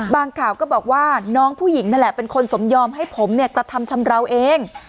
ข่าวก็บอกว่าน้องผู้หญิงนั่นแหละเป็นคนสมยอมให้ผมเนี่ยกระทำชำราวเอง